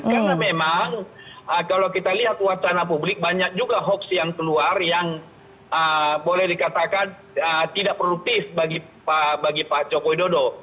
karena memang kalau kita lihat wacana publik banyak juga hoax yang keluar yang boleh dikatakan tidak produktif bagi pak jokowi dodo